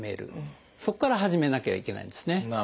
そこから始めなきゃいけないんですね。